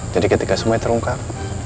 jadi ketika semuanya terungkap